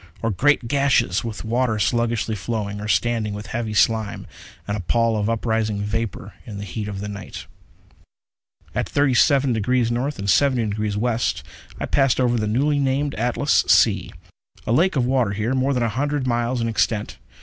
Or great gashes with water sluggishly flowing, or standing with a heavy slime, and a pall of uprising vapor in the heat of the night. At 37°N. and 70°W., I passed over the newly named Atlas Sea. A lake of water here, more than a hundred miles in extent.